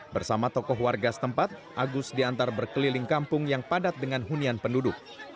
bersama tokoh warga setempat agus diantar berkeliling kampung yang padat dengan hunian penduduk